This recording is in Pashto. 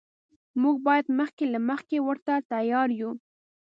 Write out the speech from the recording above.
موږ باید مخکې له مخکې ورته تیار یو.